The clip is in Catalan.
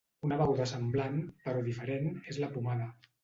Una beguda semblant, però diferent, és la pomada.